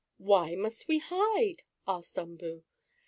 "Why must we hide?" asked Umboo.